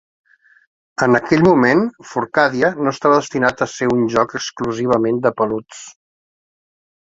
En aquell moment, "Furcadia" no estava destinat a ser un joc exclusivament de "peluts".